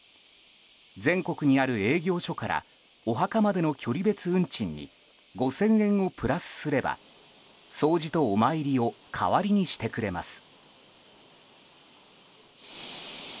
全国にある営業所からお墓までの距離別運賃に５０００円をプラスすれば掃除とお参りを代わりにしてくれます。